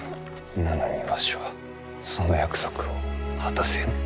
なのにわしはその約束を果たせぬ。